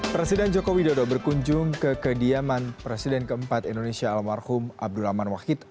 presiden jokowi dodo berkunjung ke kediaman presiden keempat indonesia almarhum abdul rahman wahid